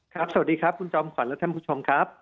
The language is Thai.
สวัสดีครับคุณจอมขวัญและท่านผู้ชมครับ